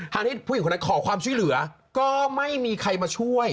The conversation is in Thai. ที่ผู้หญิงคนนั้นขอความช่วยเหลือก็ไม่มีใครมาช่วย